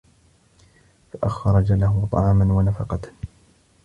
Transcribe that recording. فَأَخْرَجَ لَهُ طَعَامًا وَنَفَقَةً